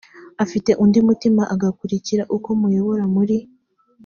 afite undi mutima agakurikira uko muyobora muri